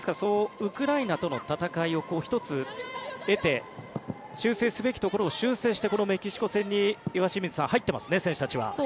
ウクライナとの戦いを１つ経て修正すべきところを修正してこのメキシコ戦に岩清水さん入っていますね。